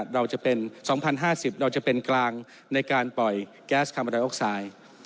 เราจะเป็น๒๐๕๐เราจะเป็นกลางในการปล่อยแก๊สคาร์บอไดออกไซด์